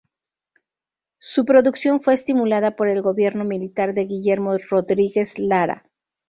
Su producción fue estimulada por el gobierno militar de Guillermo Rodríguez Lara.